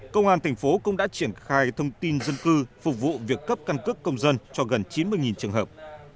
công an thành phố cũng đã triển khai thông tin dân cư phục vụ việc cấp căn cước công dân cho gần chín mươi trường hợp